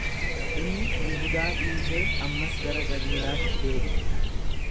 Inni Yihudaa dhiisee ammas gara Galiilaatti deebi'e.